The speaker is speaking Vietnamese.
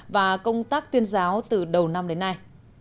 và công tác tuyên giáo từ đầu năm đến nay